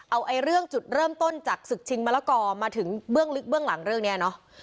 เอาเรื่องจุดเริ่มต้นจากศึกชิงมะละกอมาถึงเบื้องลึกเบื้องหลังเรื่องนี้เนาะ